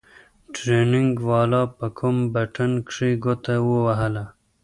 ټرېننگ والا په کوم بټن کښې گوته ووهله.